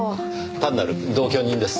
単なる同居人です。